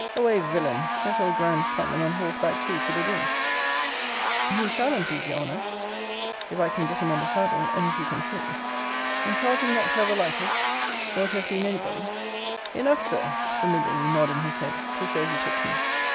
Away, villain! Let old Grimes come, and on horseback too, to the door He shall, and please your honour, if I can get him on the saddle, and if he can sit And charge him not to have alighted, nor to have seen any body Enough, Sir, familiarly nodding his head, to show he took me.